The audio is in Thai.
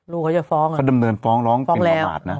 ลูกเขาจะฟ้องเป็นรอบหาดนะ